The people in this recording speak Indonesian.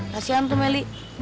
kasihan tuh meli